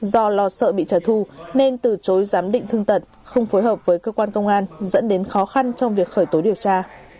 do lo sợ bị trả thù nên từ chối giám định thương tật không phối hợp với cơ quan công an dẫn đến khó khăn trong việc khởi tối điều tra